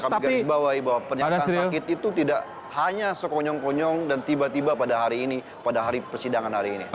jadi kami beri bahwa penyakit itu tidak hanya sekonyong konyong dan tiba tiba pada hari ini pada hari persidangan hari ini